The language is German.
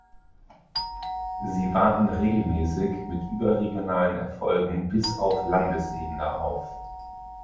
Sie warten regelmäßig mit überregionalen Erfolgen bis auf Landesebene auf.